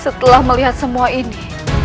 setelah melihat semua ini